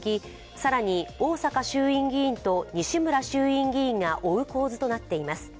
更に逢坂衆院議員と西村衆院議員が追う構図となっています。